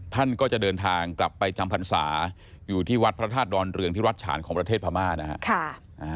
ท่านก็จะเดินทางกลับไปจำพรรษาอยู่ที่วัดพระธาตุดอนเรืองที่วัดฉานของประเทศพม่านะครับ